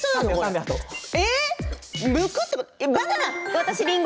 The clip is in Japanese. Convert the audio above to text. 私はリンゴ。